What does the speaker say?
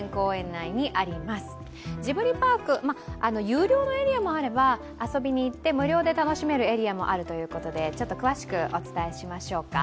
有料のエリアもあれば、遊びに行って無料で楽しめるエリアもあるということでちょっと詳しくお伝えしましょうか。